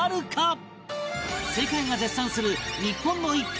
世界が絶賛する日本の逸品